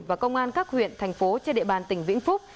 và công an các huyện thành phố trên địa bàn tỉnh vĩnh phúc